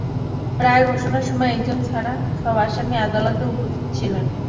রায় ঘোষণার সময় একজন ছাড়া সব আসামি আদালতে উপস্থিত ছিলেন।